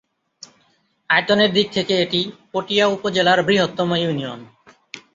আয়তনের দিক থেকে এটি পটিয়া উপজেলার বৃহত্তম ইউনিয়ন।